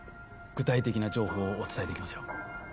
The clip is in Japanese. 具体的な情報をお伝えできますよ